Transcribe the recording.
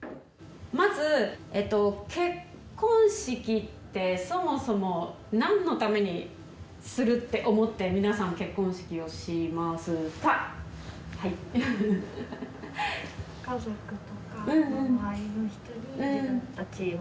まず結婚式ってそもそも何のためにするって思って皆さん結婚式をしますか？